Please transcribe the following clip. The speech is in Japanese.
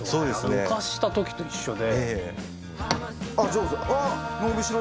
浮かした時と一緒で。